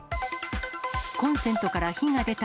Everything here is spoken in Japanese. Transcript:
コンセントから火が出た。